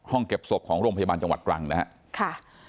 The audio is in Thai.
ห้องเก็บศพของโรงพยาบาลจังหวัดกลางนะฮะ